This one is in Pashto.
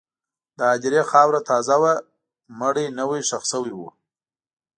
د هدیرې خاوره تازه وه، مړی نوی ښخ شوی و.